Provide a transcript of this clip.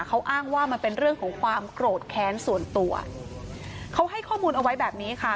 เขาอ้างว่ามันเป็นเรื่องของความโกรธแค้นส่วนตัวเขาให้ข้อมูลเอาไว้แบบนี้ค่ะ